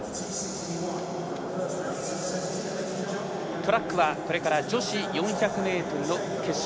トラックはこれから女子４００ｍの決勝。